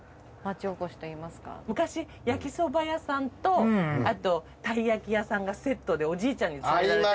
昔焼きそば屋さんとたい焼き屋さんがセットでおじいちゃんに連れられて。